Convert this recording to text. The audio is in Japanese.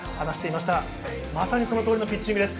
まさにその通りのピッチングです。